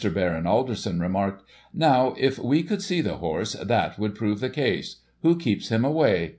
Baron Alderson remarked :" Now, if we could see the horse, that would prove the case. Who keeps him away?